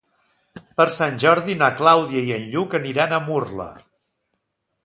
Per Sant Jordi na Clàudia i en Lluc aniran a Murla.